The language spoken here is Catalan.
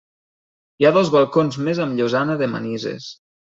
Hi ha dos balcons més amb llosana de manises.